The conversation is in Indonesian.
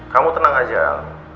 kamu tenang aja al